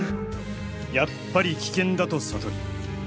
やっぱり危険だと覚り。